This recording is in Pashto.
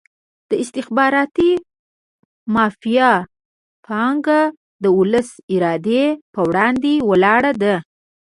د استخباراتي مافیا پانګه د ولس ارادې په وړاندې ولاړه ده.